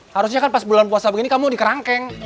harusnya kan pas bulan puasa begini kamu udah dikerangkeng